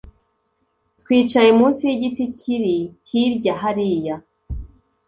twicaye munsi y’igiti kiri hirya hariya?”